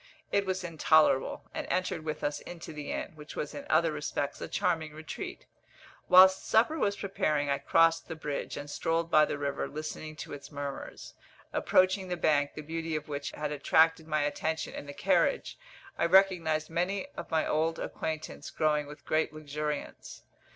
It was intolerable, and entered with us into the inn, which was in other respects a charming retreat. Whilst supper was preparing I crossed the bridge, and strolled by the river, listening to its murmurs. Approaching the bank, the beauty of which had attracted my attention in the carriage, I recognised many of my old acquaintance growing with great luxuriance.